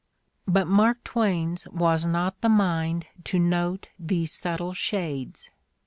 But Mark Twain's was not the mind to note these subtle shades.